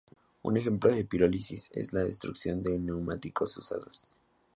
Un ejemplo de pirólisis es la destrucción de neumáticos usados.